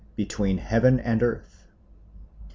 Between Heaven and Earth 1.